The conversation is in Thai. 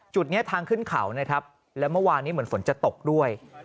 จุดนี้ทางขึ้นเขานะครับแล้วเมื่อวานนี้เหมือนฝนจะตกด้วย